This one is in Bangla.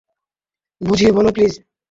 বুঝিয়ে বলো, প্লিজ।